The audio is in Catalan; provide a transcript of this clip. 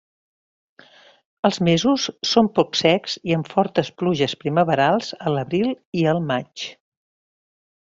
Els mesos són poc secs i amb fortes pluges primaverals a l'abril i al maig.